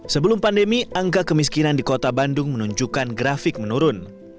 sebelum pandemi angka kemiskinan di kota bandung menunjukkan grafik menurun